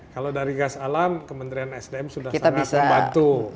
kalau dari gas alam kementerian sdm sudah sangat membantu